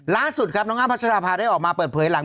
ล่าสุดครับน้องอ้พัชราภาได้ออกมาเปิดเผยหลัง